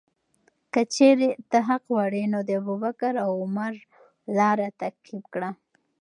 که چیرې ته حق غواړې، نو د ابوبکر او عمر لاره تعقیب کړه.